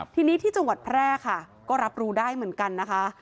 ทีนี้ที่จังหวัดแพร่ค่ะก็รับรู้ได้เหมือนกันนะคะ